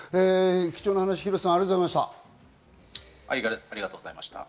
貴重なお話、ありがとうございました。